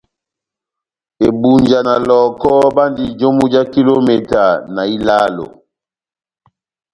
Ebunja na Lɔh᷅ɔkɔ bandi jomu já kilometa ilálo.